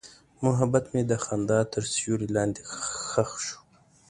محبت مې د خندا تر سیوري لاندې ښخ شو.